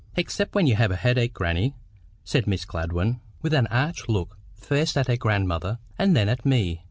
"Except when you have a headache, grannie," said Miss Gladwyn, with an arch look first at her grandmother, and then at me.